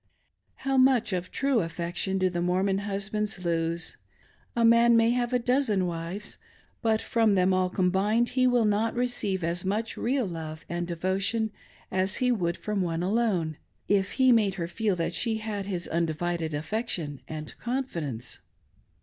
How much of true affection do the Mormon husbands lose! A man may have a dozen wives ; but from them all combined he will not receive as much real love and devotion as he would from one alone, if he made her feel that she had his undivided affection and confidence.